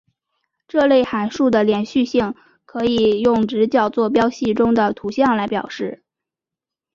这类函数的连续性可以用直角坐标系中的图像来表示。